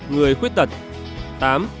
người khuyết tật